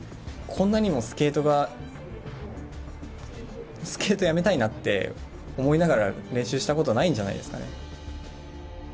こんなにもスケートが、スケートやめたいなって思いながら、練習したことないんじゃないですかね。